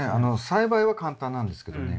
栽培は簡単なんですけどね